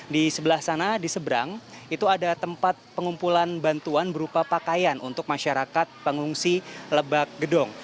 di sebelah sana di seberang itu ada tempat pengumpulan bantuan berupa pakaian untuk masyarakat pengungsi lebak gedong